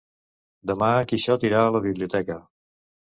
Demà en Quixot irà a la biblioteca.